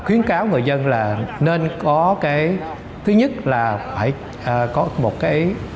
khuyến cáo người dân là nên có cái thứ nhất là phải có một cái